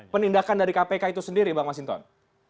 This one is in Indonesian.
penindakan dari kpk itu sendiri bang mas hinton